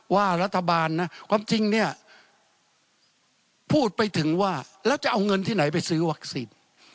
ว่ารัฐบาลนะความจริงเนี่ยพูดไปถึงว่าแล้วจะเอาเงินที่ไหนไปซื้อวัคซีน